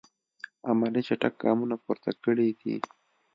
عملي چټک ګامونه پورته کړی دي.